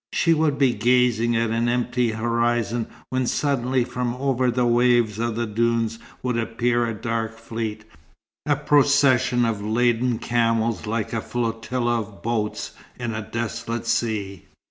She would be gazing at an empty horizon when suddenly from over the waves of the dunes would appear a dark fleet; a procession of laden camels like a flotilla of boats in a desolate sea.